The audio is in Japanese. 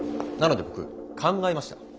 なので僕考えました。